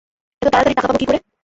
এত তাড়াতাড়ি টাকা পাব কী করে?